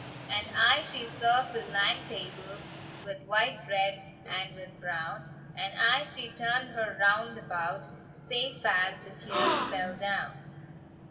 And aye she served the lang tables, With white bread and with brown; And aye she turned her round about, Sae fast the tears fell down.